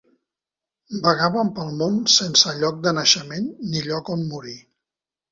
Vagaven pel món sense lloc de naixement ni lloc on morir.